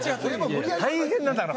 大変なんだから！